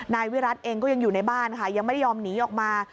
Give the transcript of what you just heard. นายวิรัติเองก็ยังอยู่ในบ้านค่ะยังไม่ได้ยอมหนีออกมา